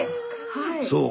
そう。